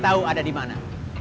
semua orang pula ada di mana